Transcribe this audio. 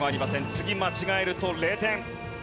次間違えると０点。